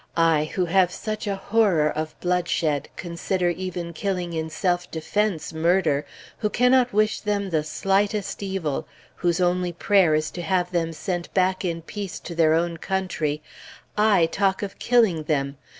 I, who have such a horror of bloodshed, consider even killing in self defense murder, who cannot wish them the slightest evil, whose only prayer is to have them sent back in peace to their own country, I talk of killing them!